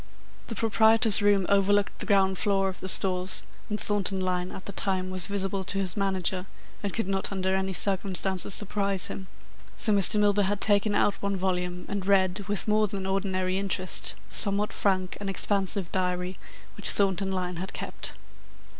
The proprietor's room overlooked the ground floor of the Stores, and Thornton Lyne at the time was visible to his manager, and could not under any circumstances surprise him, so Mr. Milburgh had taken out one volume and read, with more than ordinary interest, the somewhat frank and expansive diary which Thornton Lyne had kept.